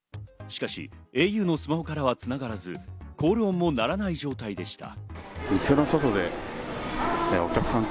しかし、ａｕのスマホからは繋がらず、コール音も鳴らない状態でした。